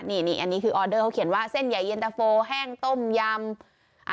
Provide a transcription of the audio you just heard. นี่นี่อันนี้คือออเดอร์เขาเขียนว่าเส้นใหญ่เย็นตะโฟแห้งต้มยำ